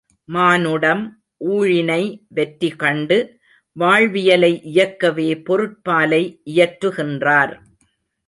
மானுடம் ஊழினை வெற்றிகண்டு வாழ்வியலை இயக்கவே பொருட்பாலை இயற்றுகின்றார்!